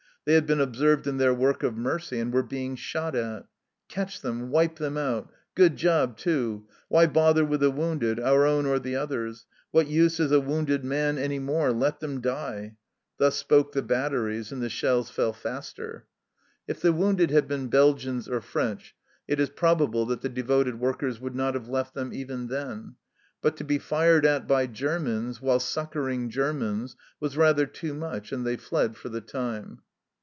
They had been observed in their work of mercy and were being shot at !" Catch them, wipe them out ! Good job too ! Why bother with the wounded our own or the others ? What use is a wounded man any more ? Let them die !" Thus spoke the batteries, and the shells fell faster. 40 THE CELLAR HOUSE OF PERVYSE If the wounded had been Belgians or French, it is probable that the devoted workers would not have left them even then ; but to be fired at by Germans while succouring Germans was rather too much, and they fled for the time.